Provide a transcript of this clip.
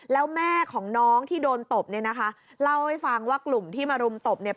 แล้วแม่ของน้องที่โดนตบเนี่ยนะคะเล่าให้ฟังว่ากลุ่มที่มารุมตบเนี่ย